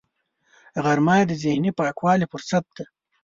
غرمه د ذهني پاکوالي فرصت دی